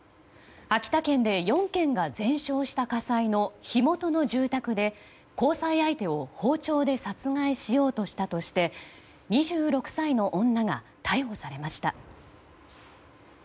秋田県で４軒が全焼した火災の火元の住宅で交際相手を包丁で殺害しようとしたとして２６歳の女が逮捕されました。